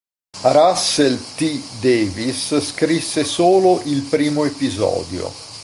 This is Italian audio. Russell T. Davies scrisse solo il primo episodio.